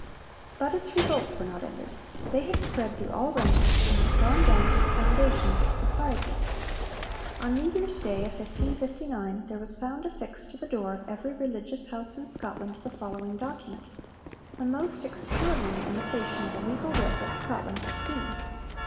But its results were not ended. They had spread through all ranks, and had gone down to the foundations of society. On New Year's Day of 1559 there was found affixed to the door of every religious house in Scotland the following document the most extraordinary imitation of a legal writ that Scotland has seen.